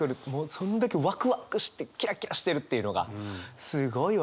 そんだけワクワクしてキラキラしてるっていうのがすごい分かる。